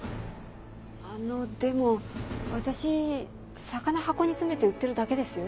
あのでも私魚箱に詰めて売ってるだけですよ。